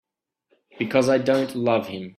Because I don't love him.